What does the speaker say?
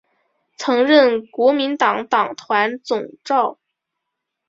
曾任国民党党团总召。